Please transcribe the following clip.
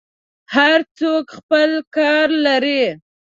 هر څوک خپل کار لري.